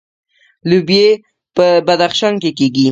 لوبیې په بدخشان کې کیږي